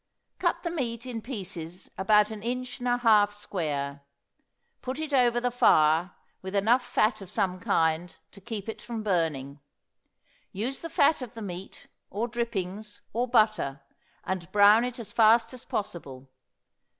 Cut the meat in pieces about an inch and a half square, put it over the fire with enough fat of some kind to keep it from burning; use the fat of the meat, or drippings, or butter, and brown it as fast as possible.